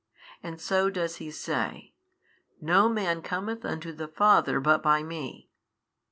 And so does He say, No man cometh unto the Father but by Me.